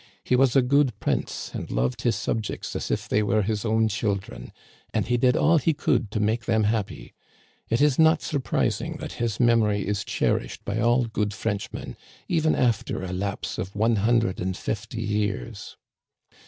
He was a good prince and loved his subjects as if they were his own children, and he did all he could to make them happy. It is not surprising that his memory is cherished by all good Frenchmen, even after a lapse of one hundred and fifty years."